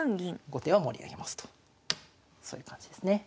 後手は盛り上げますとそういう感じですね。